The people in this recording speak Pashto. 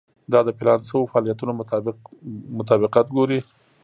دا د پلان شوو فعالیتونو مطابقت ګوري.